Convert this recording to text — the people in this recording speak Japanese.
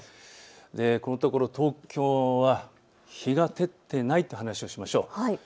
このところ東京は日が照っていないという話をしましょう。